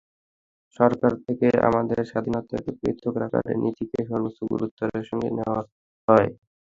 সরকার থেকে আমাদের স্বাধীনতাকে পৃথক রাখার নীতিকে সর্বোচ্চ গুরুত্বের সঙ্গে নেওয়া হয়।